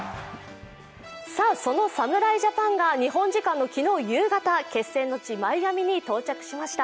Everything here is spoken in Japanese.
その侍ジャパンが日本時間の昨日夕方決戦の地・マイアミに到着しました